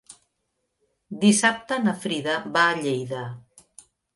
Dissabte na Frida va a Lleida.